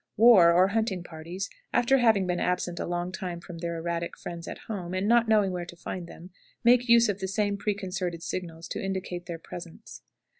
War or hunting parties, after having been absent a long time from their erratic friends at home, and not knowing where to find them, make use of the same preconcerted signals to indicate their presence.